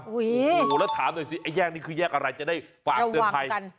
โอ้โหแล้วถามหน่อยสิไอ้แยกนี้คือแยกอะไรจะได้ฝากเตือนภัย